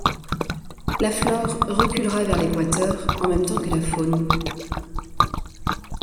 La flore reculera vers l’équateur en même temps que la faune.